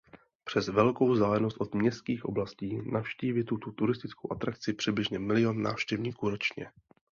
Přes velkou vzdálenost od městských oblastí navštíví tuto turistickou atrakci přibližně milion návštěvníků ročně.